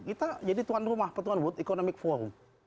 kita jadi tuan rumah petuan wood economic forum